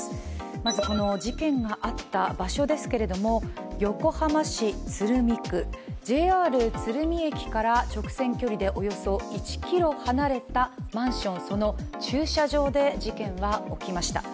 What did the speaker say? まず事件があった場所ですけども、横浜市鶴見区、ＪＲ鶴見駅から直線距離でおよそ１ｋｍ離れたマンション、その駐車場で事件は起きました。